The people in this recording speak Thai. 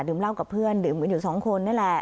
เหล้ากับเพื่อนดื่มกันอยู่สองคนนี่แหละ